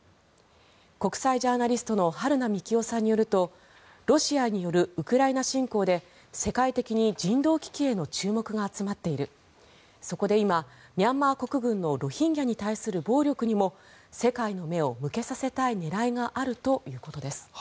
国際ジャーナリストの春名幹男さんによるとロシアによるウクライナ侵攻で世界的に人道危機への注目が集まっているそこで今、ミャンマー国軍のロヒンギャに対する暴力にも世界の目を向けさせたい狙いがあるということです。